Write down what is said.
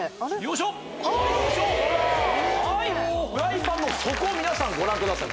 フライパンの底を皆さんご覧ください